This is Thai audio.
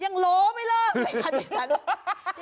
ยังโล้ไม่เริ่มเลยค่ะเป็นสนุก